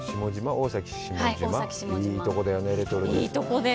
大崎下島、いいところだよね、レトロで。